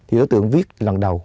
thì đối tượng viết lần đầu